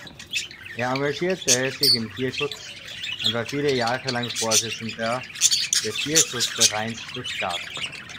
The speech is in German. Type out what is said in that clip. Er engagierte sich im Tierschutz und war viele Jahre lang Vorsitzender des Tierschutzvereins Stuttgart.